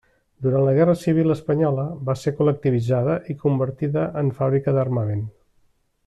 Durant la guerra civil espanyola va ser col·lectivitzada i convertida en fàbrica d'armament.